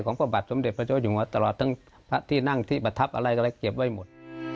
พระบาทสมเด็จพระเจ้าอยู่หัวตลอดทั้งพระที่นั่งที่ประทับอะไรอะไรเก็บไว้หมด